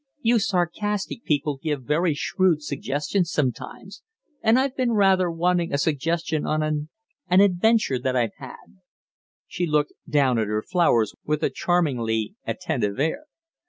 "You sarcastic people give very shrewd suggestions sometimes, and I've been rather wanting a suggestion on an an adventure that I've had." She looked down at her flowers with a charmingly attentive air.